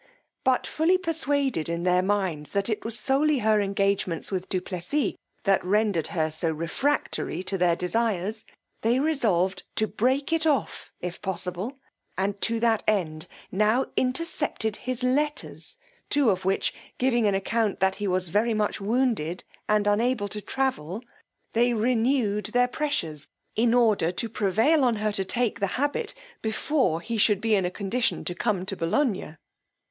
But fully persuaded in their minds that it was solely her engagements with du Plessis that rendered her so refractory to their desires, they resolved to break it off, if possible, and to that end now intercepted his letters; two of which giving an account that he was very much wounded and unable to travel, they renewed their pressures, in order to prevail on her to take the habit before he should be in a condition to come to Bolognia.